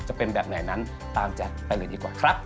จะเป็นแบบไหนนั้นตามแจ๊คไปเลยดีกว่าครับ